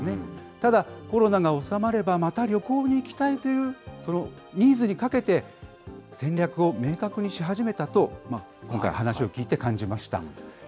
ただ、コロナが収まればまた旅行に行きたいというニーズにかけて、戦略を明確にし始めたと、今回、話を聞いて感じました。